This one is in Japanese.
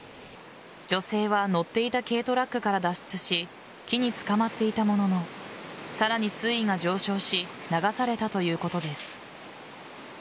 女性は乗っていた軽トラックから脱出し木につかまっていたもののさらに水位が上昇し流されたということです。